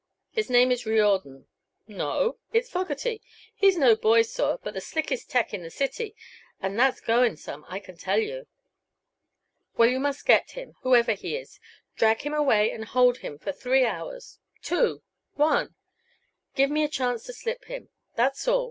"His name is Riordan." "No; it's Fogerty. He's no boy, sir, but the slickest 'tec' in the city, an' that's goin' some, I can tell you." "Well, you must get him, whoever he is. Drag him away and hold him for three hours two one. Give me a chance to slip him; that's all.